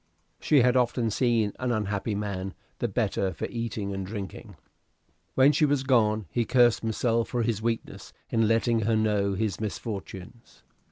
She had often seen an unhappy man the better for eating and drinking. When she was gone, he cursed himself for his weakness in letting her know his misfortunes.